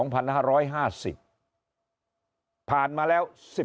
ผ่านมาแล้ว